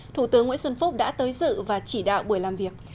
thủ tướng nguyễn xuân phúc đã tới dự và chỉ đạo buổi làm việc